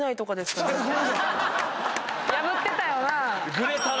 破ってたよなぁ。